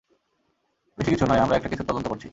বেশি কিছু নয়, আমরা একটা কেসের তদন্ত করছি।